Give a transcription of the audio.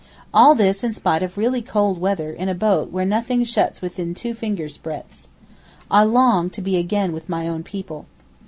All this in spite of really cold weather in a boat where nothing shuts within two fingers' breadths. I long to be again with my own people.